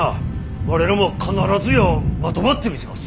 我らも必ずやまとまってみせもす。